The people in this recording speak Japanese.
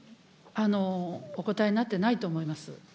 お答えになってないと思います。